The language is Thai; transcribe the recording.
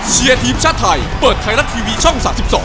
เชียร์ทีมชาติไทยเปิดไทยรัฐทีวีช่อง๓๒